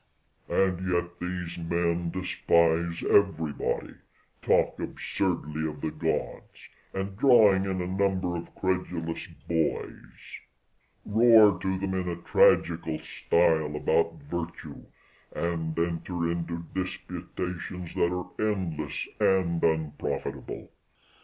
And yet these men despise everybody, talk absurdly of the gods, and drawing in a number of credulous boys, roar to them in a tragical style about virtue, and enter into disputations that are endless and unprofitable.